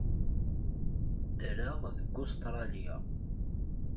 Ddreɣ deg Ustṛalya.